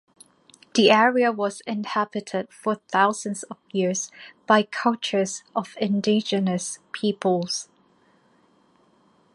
The area was inhabited for thousands of years by cultures of indigenous peoples.